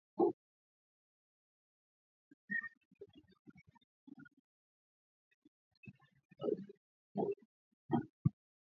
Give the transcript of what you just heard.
vumbi nje ya ghorofa mbili za kilabu hicho kiitwacho Enyobeni Tavern